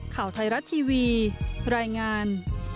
ข่าวไทยรัฐทีวีรายงาน